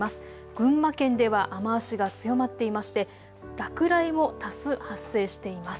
群馬県では雨足が強まっていまして落雷も多数、発生しています。